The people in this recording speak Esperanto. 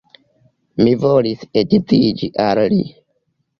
Mi volis edziĝi al li.